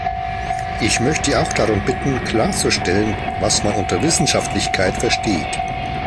Ich möchte auch darum bitten, klarzustellen, was man unter Wissenschaftlichkeit versteht.